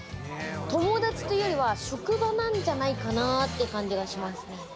友達というよりは職場なんじゃないかなって感じがしますね。